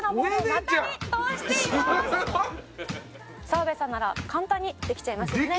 「澤部さんなら簡単にできちゃいますよね？」